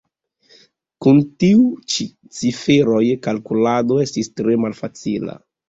Kun tiuj ciferoj kalkulado estis tre malfacila.